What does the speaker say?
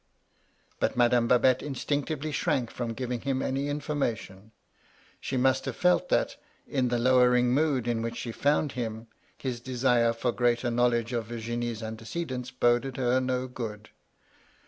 But Madame Babette instinctively shrank from giving him any information: she must have felt that, in the lowering mood in which she found him, — ^his desire for greater knowledge of Virginie's antecedents boded her no good.